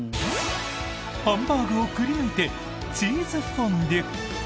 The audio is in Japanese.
ハンバーグをくり抜いてチーズフォンデュ！